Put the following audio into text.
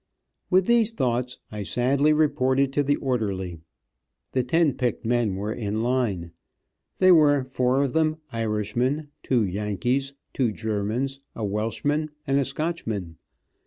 With these thoughts I sadly reported to the orderly. The ten picked men were in line. They were four of them Irishmen, two Yankees, two Germans, a Welshman and a Scotchman.